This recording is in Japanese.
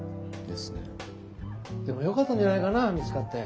でもよかったんじゃないかな見つかって。